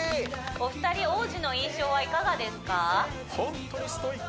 お二人王子の印象はいかがですか？